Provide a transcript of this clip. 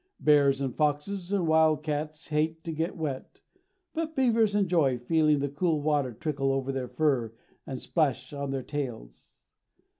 Bears and foxes and wild cats hate to get wet, but beavers enjoy feeling the cool water trickle over their fur and splash on their tails.